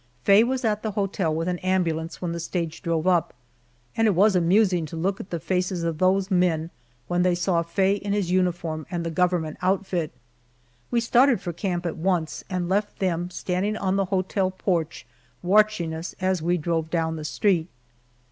Faye was at the hotel with an ambulance when the stage drove up, and it was amusing to look at the faces of those men when they saw Faye in his uniform, and the government outfit. We started for camp at once, and left them standing on the hotel porch watching us as we drove down the street.